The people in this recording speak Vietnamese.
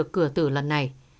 cửa tử lần này